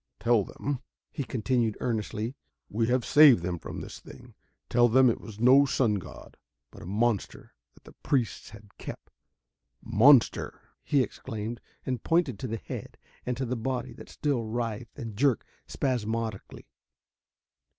"Tell them," he continued earnestly, "we have saved them from this thing. Tell them it was no sun god, but a monster that the priests had kept. Monster!" he exclaimed, and pointed to the head and to the body that still writhed and jerked spasmodically.